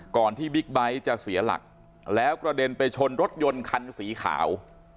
ที่บิ๊กไบท์จะเสียหลักแล้วกระเด็นไปชนรถยนต์คันสีขาว